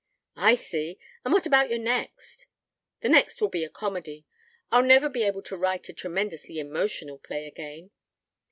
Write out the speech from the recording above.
..." "I see! And what about your next?" "The next will be a comedy. I'll never be able to write a tremendously emotional play again."